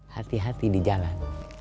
hati hati di jalan